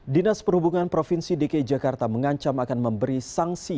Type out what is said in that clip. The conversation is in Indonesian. dinas perhubungan provinsi dki jakarta mengancam akan memberi sanksi